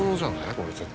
これ絶対。